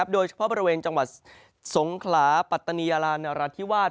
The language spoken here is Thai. โดยเฉพาะบริเวณจังหวัดสงขลาปัตตานียาลานราธิวาส